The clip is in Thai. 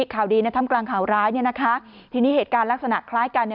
ข่าวดีในถ้ำกลางข่าวร้ายทีนี้เหตุการณ์ลักษณะคล้ายกัน